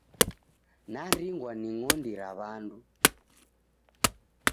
Naringwa ni ng'ondi ra w'andu.